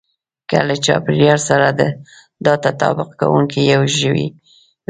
که له چاپېريال سره دا تطابق کوونکی يو ژوی وي.